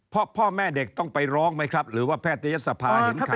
พ่อแม่เด็กต้องไปร้องไหมครับหรือว่าแพทยศภาเห็นข่าว